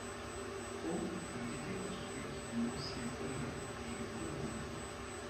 Au ont été construits l'ancien commun et le colombier.